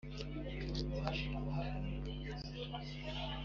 uziko nubwo batinda baba bagerageje kwihuta